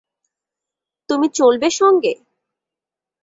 তুমি চলবে সঙ্গে।